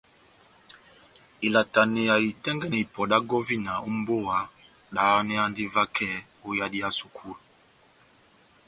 Ilataneya itɛ́ngɛ́nɛ ipɔ dá gɔvina ó mbówa dáháneyandi vakɛ ó yadi yá sukulu.